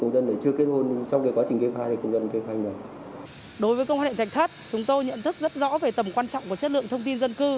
đối với công an thạch tháp chúng tôi nhận thức rất rõ về tầm quan trọng của chất lượng thông tin dân cư